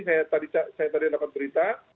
saya tadi dapat berita